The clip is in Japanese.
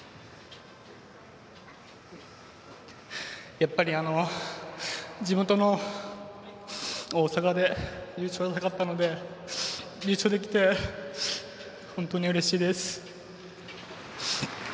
やっぱり地元の大阪で優勝したかったので優勝できて本当にうれしいです。